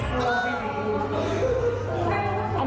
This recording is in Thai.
ซุ๊กอยู่บ้านหวานหวาน